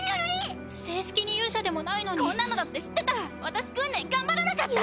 正式に勇者でもないのに。こんなのだって知ってたら私訓練頑張らなかった！